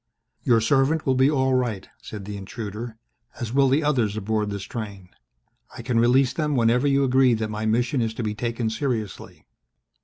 "Your servant will be all right," said the intruder, "as will the others aboard this train. I can release them whenever you agree that my mission is to be taken seriously."